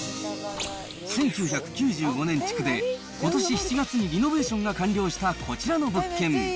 １９９５年築で、ことし７月にリノベーションが完了したこちらの物件。